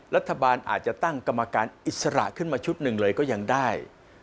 รัฐบาลอาจจะตั้งกรรมการอิสระขึ้นมาชุดหนึ่งเลยก็ยังได้